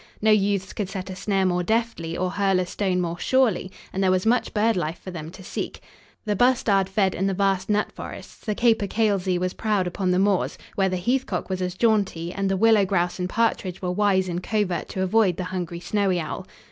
No youths could set a snare more deftly or hurl a stone more surely, and there was much bird life for them to seek. The bustard fed in the vast nut forests, the capercailzie was proud upon the moors, where the heath cock was as jaunty, and the willow grouse and partridge were wise in covert to avoid the hungry snowy owl.